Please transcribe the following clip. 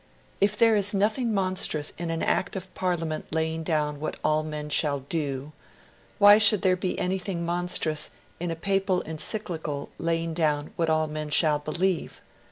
If there is nothing monstrous in an Act of Parliament laying down what all men shall do, why should there be anything monstrous in a Papal Encyclical laying down what all men shall believe?